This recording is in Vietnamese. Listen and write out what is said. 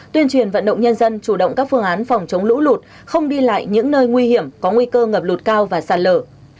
tuyên truyền vận động nhân dân chủ động các phương án phòng chống lũ lụt không đi lại những nơi nguy hiểm có nguy cơ ngập lụt cao và sạt lở